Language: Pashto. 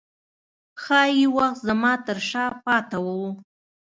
ښايي وخت زما ترشا پاته و